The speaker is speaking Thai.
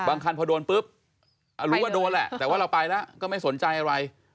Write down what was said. คันพอโดนปุ๊บรู้ว่าโดนแหละแต่ว่าเราไปแล้วก็ไม่สนใจอะไร